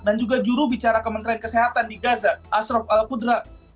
dan juga juru bicara kementerian kesehatan di gaza ashraf al qudra